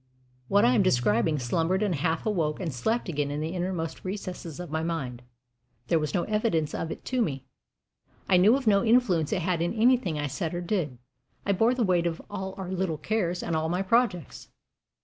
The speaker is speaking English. What I am describing slumbered and half awoke and slept again in the innermost recesses of my mind. There was no evidence of it to me; I knew of no influence it had in anything I said or did. I bore the weight of all our little cares and all my projects.